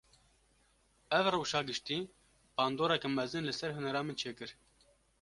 Ev rewşa giştî, bandoreke mezin li ser hunera min çêkir